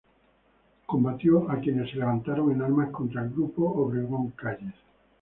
Combatió a quienes se levantaron en armas contra el grupo Obregón-Calles.